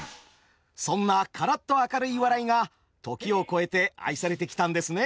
そんなカラッと明るい笑いが時を超えて愛されてきたんですね。